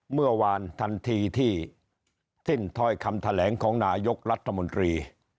เมื่อวานทันทีที่สิ้นถ้อยคำแถลงของนายกรัฐมนตรี